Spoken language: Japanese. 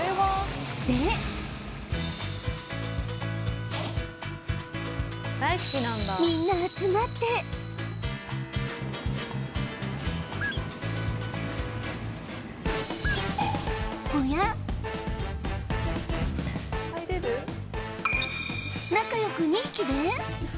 でみんな集まって仲良く２匹で？